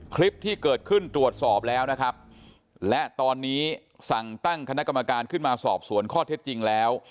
คลิปที่เกิดขึ้นตรวจสอบแล้วนะครับและตอนนี้สั่งตั้งคณะกรรมการขึ้นมาสอบสวนข้อเท็จจริงแล้ว